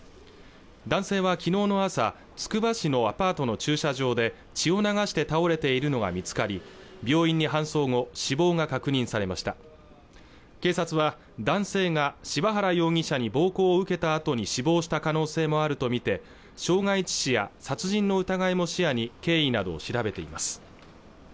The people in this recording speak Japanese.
男性は昨日の朝つくば市のアパートの駐車場で血を流して倒れているのが見つかり病院に搬送後死亡が確認されました警察は男性が柴原容疑者に暴行を受けたあとに死亡した可能性もあると見て傷害致死や殺人の疑いも視野に経緯などを調べています